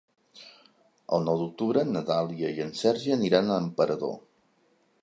El nou d'octubre na Dàlia i en Sergi aniran a Emperador.